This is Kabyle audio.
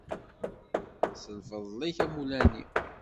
S lfeḍl-ik a mulani.